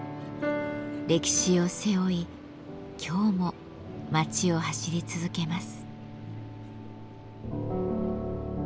歴史を背負い今日も街を走り続けます。